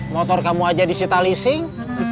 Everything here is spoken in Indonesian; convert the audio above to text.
motor kamu aja di sita leasing